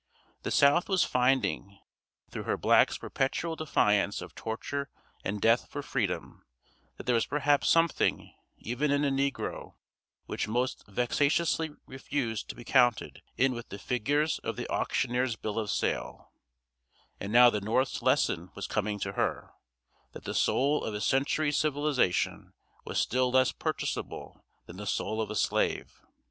The South was finding, through her blacks' perpetual defiance of torture and death for freedom, that there was perhaps something, even in a negro, which most vexatiously refused to be counted in with the figures of the auctioneer's bill of sale; and now the North's lesson was coming to her that the soul of a century's civilization was still less purchasable than the soul of a slave.